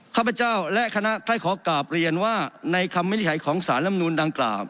ข้าพเจ้าและคณะท่านขอกราบเรียนว่าในคำวินิจฉัยของสารลำนูนดังกล่าว